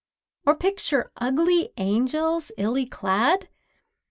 Or picture ugly angels, illy clad?